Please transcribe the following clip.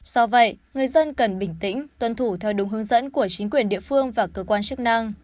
do vậy người dân cần bình tĩnh tuân thủ theo đúng hướng dẫn của chính quyền địa phương và cơ quan chức năng